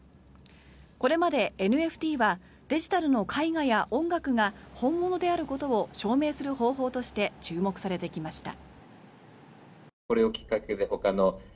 これまでＮＦＴはデジタルの絵画や音楽が本物であることを証明する方法として注目されてきました。